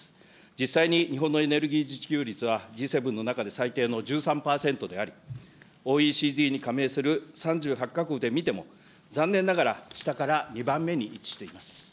実際に日本のエネルギー自給率はＧ７の中で最低の１３％であり、ＯＥＣＤに加盟する３８か国で見ても、残念ながら、下から２番目に位置しています。